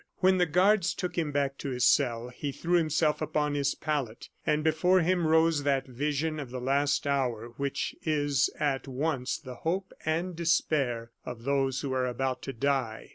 When the guards took him back to his cell, he threw himself upon his pallet, and before him rose that vision of the last hour, which is at once the hope and despair of those who are about to die.